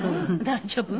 大丈夫？